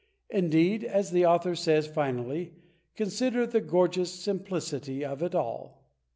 Indeed, as the author says, finally: "Consider the gorgeous simplicity of it all."